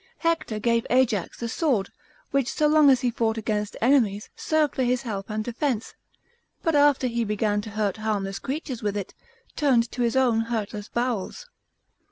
Hector gave Ajax a sword, which so long as he fought against enemies, served for his help and defence; but after he began to hurt harmless creatures with it, turned to his own hurtless bowels.